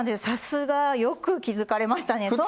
さすが。よく気付かれましたね。